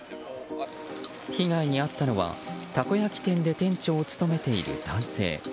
被害に遭ったのは、たこ焼き店で店長を務めている男性。